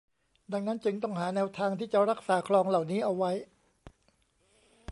ดังนั้นจึงต้องหาแนวทางที่จะรักษาคลองเหล่านี้เอาไว้